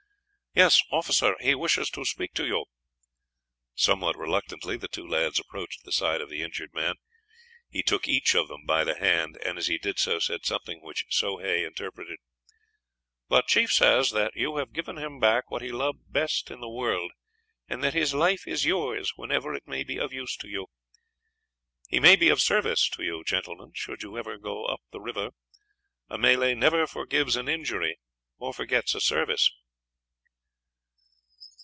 "Yes, officer, but he wishes to speak to you." Somewhat reluctantly, the two lads approached the side of the injured man; he took each of them by the hand, and, as he did so, said something which Soh Hay interpreted: "The chief says that you have given him back what he loved best in the world, and that his life is yours whenever it may be of use to you; he may be of service to you, gentlemen, should you ever go up the river a Malay never forgives an injury or forgets a service."